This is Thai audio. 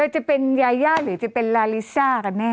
จะเป็นยายาหรือจะเป็นลาลิซ่ากันแน่